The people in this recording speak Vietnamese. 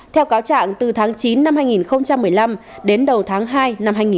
theo cáo trạng từ tháng chín năm hai nghìn một mươi năm đến đầu tháng hai năm hai nghìn một mươi chín